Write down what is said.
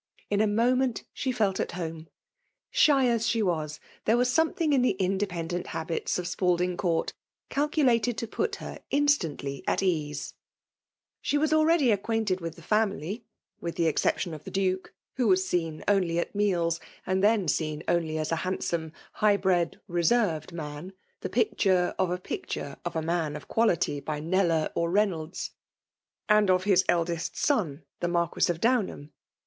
In a moment she Iblt at home. Shy as she was, there was MBething in the independent hkbits of Spal diftg^ CSourt calculated to put her instantly at ^le was already acquainted with the family; with the eiQception of the Duke (who was seen only at meals, and then seen only as a hand* sodLe, high bredy reserved man ; the picture of a pieture c£ '* a Man of Quality," by Kneller or Beynolds) and of his eldest son, the Marquis of Downham.